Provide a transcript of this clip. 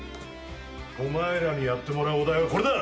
お前らにやってもらうお題はこれだ！